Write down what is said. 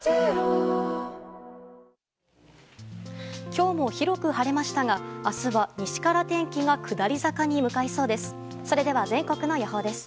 今日も広く晴れましたが明日は西から天気が下り坂に向かいそうです。